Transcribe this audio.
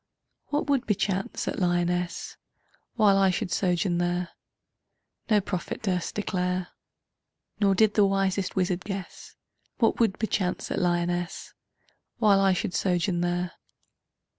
What would bechance at Lyonnesse While I should sojourn there No prophet durst declare, Nor did the wisest wizard guess What would bechance at Lyonnesse While I should sojourn there.